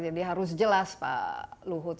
jadi harus jelas pak luhut